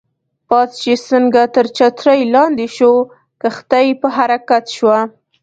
باد چې څنګه تر چترۍ لاندې شو، کښتۍ په حرکت شوه.